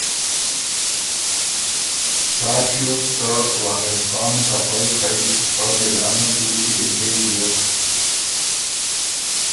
سا ݭیوک که وارث خان ته خوئ خئ فۀ بېدانۀ تُوت کی لیکېک بیوک۔